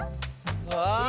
ああ！